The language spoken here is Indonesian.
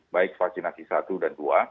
baik vaksinasi satu dan dua